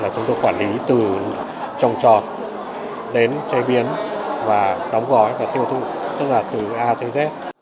chúng tôi quản lý từ trồng trọt đến chế biến và đóng gói và tiêu thụ tức là từ a tới dép